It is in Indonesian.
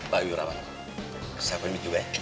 pak wira pak saya pamit juga ya